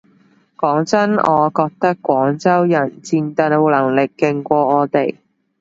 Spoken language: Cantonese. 講真我覺得廣州人戰鬥能力勁過我哋